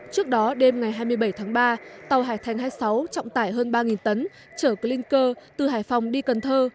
trước đó đêm ngày hai mươi bảy tháng ba tàu hải thành hai mươi sáu trọng tải hơn ba tấn chở clinker từ hải phòng đi cần thơ